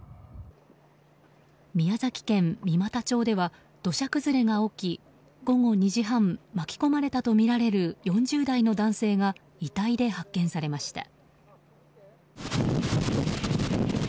宮崎県三股町では土砂崩れが起き午後２時半巻き込まれたとみられる４０代の男性が遺体で発見されました。